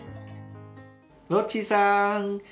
ロッチさん